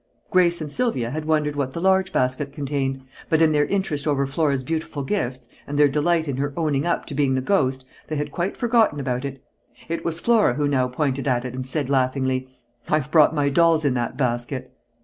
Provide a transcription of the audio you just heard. Grace and Sylvia had wondered what the large basket contained, but in their interest over Flora's beautiful gifts, and their delight in her "owning up" to being the "ghost," they had quite forgotten about it. It was Flora who now pointed at it and said laughingly: "I've brought my dolls in that basket."